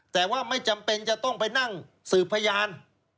แต่ว่าไม่จำเป็นจะต้องไปนั่งสืบพยาน